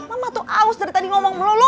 mama tuh aus dari tadi ngomong melulu